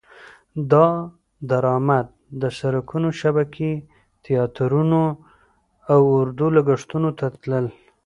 دا درامد د سرکونو شبکې، تیاترونه او اردو لګښتونو ته تلل.